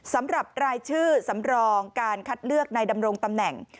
สำหรับรายชื่อสำรองการคัดเลือกในดำรงตำแหน่ง